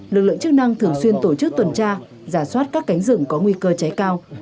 lực lượng chức năng thường xuyên tổ chức tuần tra giả soát các cánh rừng có nguy cơ cháy cao